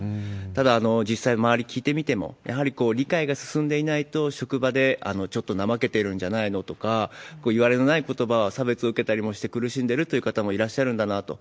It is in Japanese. ただ、実際、周り聞いてみても、やはり理解が進んでいないと、職場でちょっと怠けてるんじゃないのとか、いわれのないことば、差別を受けたりもして、苦しんでるという方がいらっしゃるんだなと。